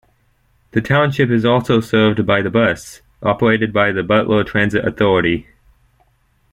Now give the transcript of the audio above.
The township is also served by The Bus, operated by the Butler Transit Authority.